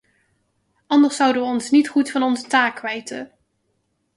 Anders zouden we ons niet goed van onze taak kwijten.